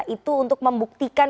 itu untuk membuktikan